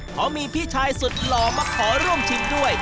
เพราะมีพี่ชายสุดหล่อมาขอร่วมชิมด้วย